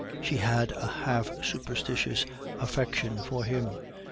She had a half superstitious affection for him.